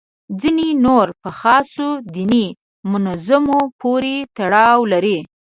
ځینې نور په خاصو دیني منظومو پورې تړاو لري.